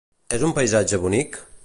És un paisatge bonic?